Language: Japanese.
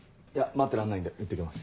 待ってらんないんでいってきます。